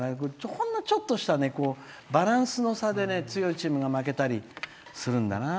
ほんのちょっとしたバランスの差で強いチームが負けたりするんだな。